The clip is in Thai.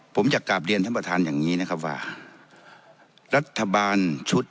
ผมจะกลับเรียนท่านประธานอย่างนี้นะครับว่ารัฐบาลชุด